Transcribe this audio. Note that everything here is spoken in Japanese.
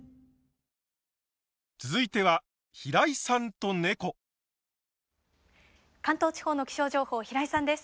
続いては関東地方の気象情報平井さんです。